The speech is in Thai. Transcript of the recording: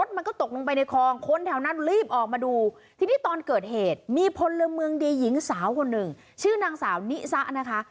เมืองเดยียงสาวคนหนึ่งชื่อนางสาวนิสะนะคะ